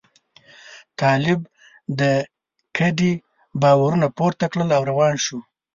طالب د کډې بارونه پورته کړل او روان شو.